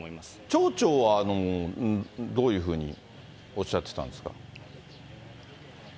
町長はどういうふうにおっしゃってたんですか。